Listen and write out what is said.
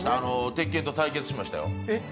鉄拳と対決しましたよ。